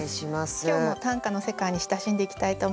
今日も短歌の世界に親しんでいきたいと思います。